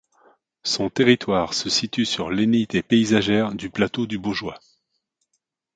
Son territoire se situe sur l'unité paysagère du Plateau du Baugeois.